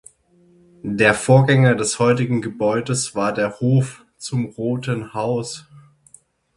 Der Vorgänger des heutigen Gebäudes war der Hof „Zum Roten Haus“.